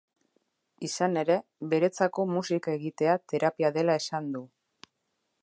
Izan ere, beretzako musika egitea terapia dela esan du.